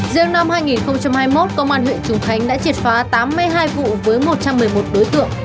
riêng năm hai nghìn hai mươi một công an huyện trùng khánh đã triệt phá tám mươi hai vụ với một trăm một mươi một đối tượng